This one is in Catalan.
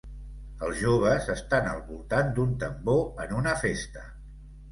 Els joves estan al voltant d'un tambor en una festa.